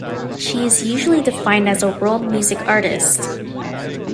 She is usually defined as a world music artist.